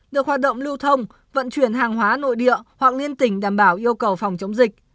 được hoạt động lưu thông vận chuyển hàng hóa nội địa hoặc liên tỉnh đảm bảo yêu cầu phòng chống dịch